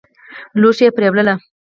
لوښي پرېولي.